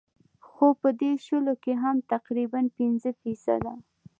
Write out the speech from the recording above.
خو پۀ دې شلو کښې هم تقريباً پنځه فيصده